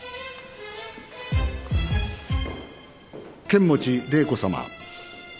剣持麗子さま。